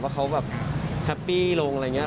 ว่าเขาแบบแฮปปี้ลงอะไรอย่างนี้